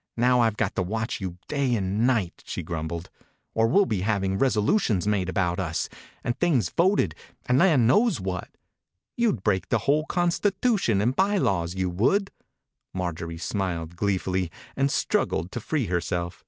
«« Now I Ve got to watch you day and night," she grumbled, "or we*ll be having resolutions made about us, and things voted, and land knows whatl You'd break the whole constitution and by laws, you would." Marjorie smiled gleefully, and struggled to free herself.